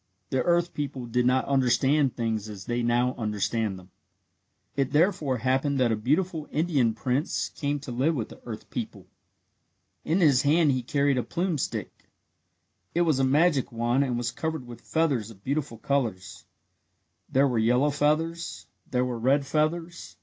The earth people did not understand things as they now understand them. It therefore happened that a beautiful Indian prince came to live with the earth people. In his hand he carried a plume stick. It was a magic wand and was covered with feathers of beautiful colours. There were yellow feathers. There were red feathers.